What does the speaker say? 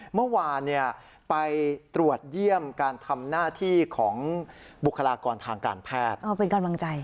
เมื่อวานไปตรวจเยี่ยมการทำหน้าที่ของบุคลากรทางการแพทย์